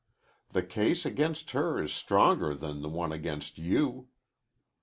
The case against her is stronger than the one against you."